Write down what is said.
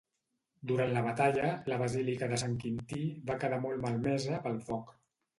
Durant la batalla, la Basílica de Sant Quintí va quedar molt malmesa pel foc.